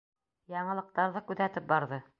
Яңылыҡтарҙы күҙәтеп барҙы.